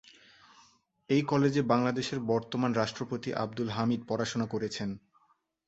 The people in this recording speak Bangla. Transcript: এই কলেজে বাংলাদেশের বর্তমান রাষ্ট্রপতি আব্দুল হামিদ পড়াশোনা করেছেন।